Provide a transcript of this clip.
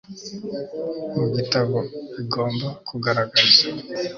mu gitabo igomba kugaragaza